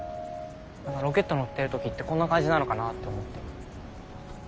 ロケット乗ってる時ってこんな感じなのかなって思って。